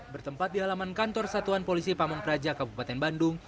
bertempat di alaman kantor satuan polisi pamungkeraja kabupaten bandung